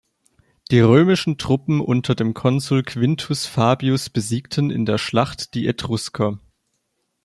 Die römischen Truppen unter dem Konsul Quintus Fabius besiegten in der Schlacht die Etrusker.